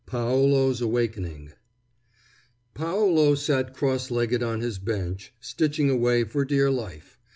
PAOLO'S AWAKENING Paolo sat cross legged on his bench, stitching away for dear life.